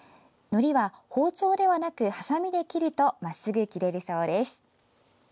のりは包丁ではなくはさみで切るとまっすぐ切れるそうです。